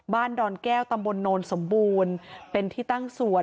ดอนแก้วตำบลโนนสมบูรณ์เป็นที่ตั้งสวน